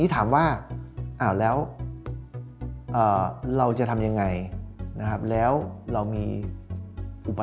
ถามว่าเราจะทำยังไงแล้วเรามีอุปสรรคซึ่งอะไร